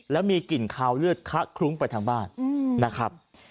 แล้วมีกลิ่นคาวเลือดคะคลุ้งไปทางบ้านนะครับ